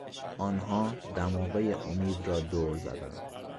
آنها دماغهی امید را دور زدند.